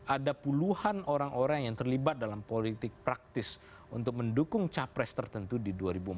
ada puluhan orang orang yang terlibat dalam politik praktis untuk mendukung capres tertentu di dua ribu empat belas